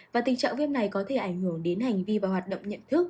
và tình trạng viêm này có thể ảnh hưởng đến hành vi và hoạt động nhận thức